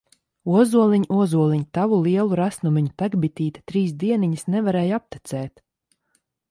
Ozoliņ, ozoliņ, Tavu lielu resnumiņu! Tek bitīte trīs dieniņas, Nevarēja aptecēt!